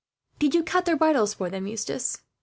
"Did you cut their bridles for them, Eustace?"